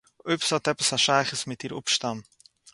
אויב ס'האָט עפּעס אַ שייכות מיט איר אָפּשטאַם